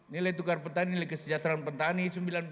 nilai tukar petani nilai kesejahteraan petani sembilan puluh